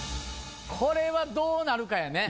これはどうなるかやね。